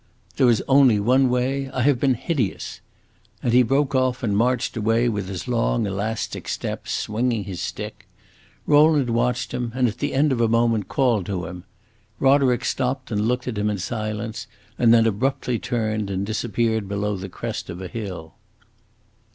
"There is only one way. I have been hideous!" And he broke off and marched away with his long, elastic step, swinging his stick. Rowland watched him and at the end of a moment called to him. Roderick stopped and looked at him in silence, and then abruptly turned, and disappeared below the crest of a hill.